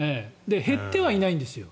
減ってはいないんですよ。